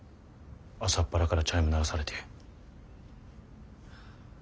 朝っぱらからチャイム鳴らされて。